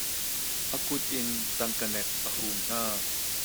A kut in tangka nek a hum hna.